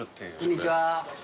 こんにちは。